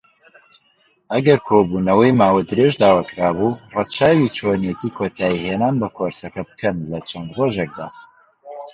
ئەگەر کۆبوونەوەی ماوە درێژ داواکرابوو، ڕەچاوی چۆنێتی کۆتایهێنان بە کۆرسەکە بکەن لەچەند ڕۆژێکدا.